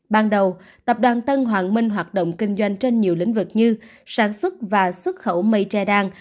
ban đầu tập đoàn tân hoàng minh hoạt động kinh doanh trên nhiều lĩnh vực như sản xuất và xuất khẩu mây tre đan